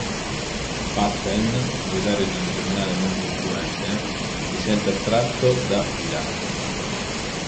Patten, proprietario di un giornale molto influente, si sente attratto da Tira.